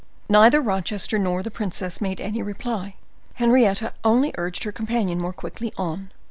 Neither Rochester nor the princess made any reply; Henrietta only urged her companion more quickly on.